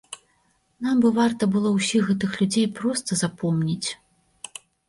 Нам бы варта было ўсіх гэтых людзей проста запомніць.